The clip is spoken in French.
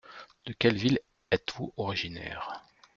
De quelle ville êtes-vous originaire ?